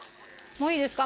もういいですか？